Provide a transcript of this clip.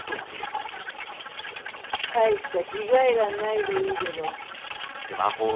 大した被害がないどいいげど。